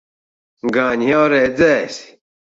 Gan jau redzēsi?